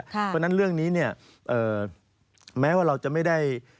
เพราะฉะนั้นเรื่องนี้เนี่ยแม้ว่าเราจะไม่ได้